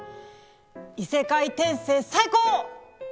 異世界転生最高！